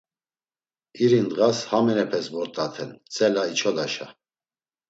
İri ndğas haminepes vort̆aten ntsela içodaşa.